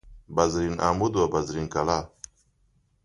بزرین عمود و بزرین کلاه